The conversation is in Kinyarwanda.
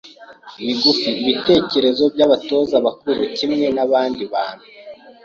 migufi , ibitekerezo by’abatoza bakuru kimwe n’abandi bantu